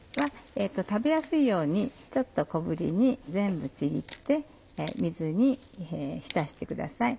食べやすいようにちょっと小ぶりに全部ちぎって水に浸してください。